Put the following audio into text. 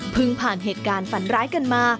ผ่านเหตุการณ์ฝันร้ายกันมา